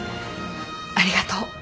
ありがとう。